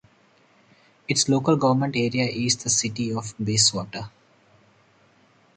Its local government area is the City of Bayswater.